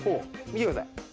見てください。